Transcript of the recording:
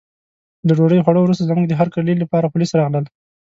له ډوډۍ خوړو وروسته زموږ د هرکلي لپاره پولیس راغلل.